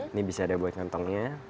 ini bisa ada buat kantongnya